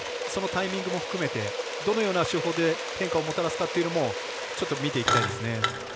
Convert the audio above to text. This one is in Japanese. その辺りも含めてどのような手法で変化をもたらすかもちょっと見ていきたいですね。